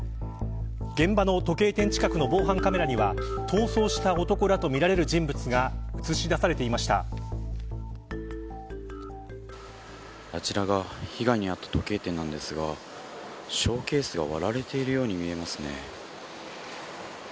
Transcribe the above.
現場の時計店近くの防犯カメラには逃走した男らとみられる人物があちらが被害に遭った時計店なんですがショーケースが割られているように見えますね。